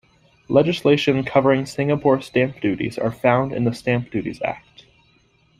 Legislation covering Singapore Stamp Duties are found in the Stamp Duties Act.